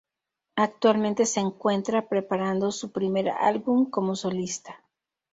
Actualmente se encuentra preparando su primer álbum como solista.